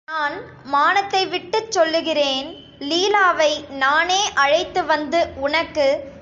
நான் மானத்தை விட்டுச் சொல்லுகிறேன் லீலாவை நானே அழைத்து வந்து உனக்கு.